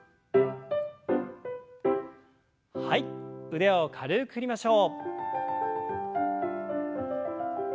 腕を軽く振りましょう。